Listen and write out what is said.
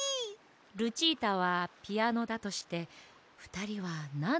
ルチータはピアノだとしてふたりはなんのがっきがいいかしら？